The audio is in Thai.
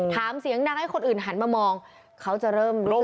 ถามเสียงดังให้คนอื่นหันมามองเขาจะเริ่มรู้สึก